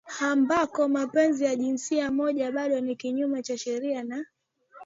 ambako mapenzi ya jinsia moja bado ni kinyume cha sheria na